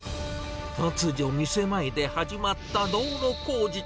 突如、店の前で始まった道路工事。